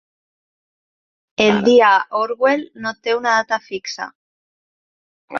El Dia Orwell no té una data fixa.